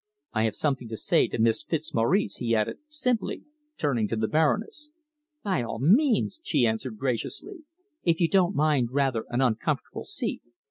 I have something to say to Miss Fitzmaurice," he added simply, turning to the Baroness. "By all means," she answered graciously, "if you don't mind rather an uncomfortable seat.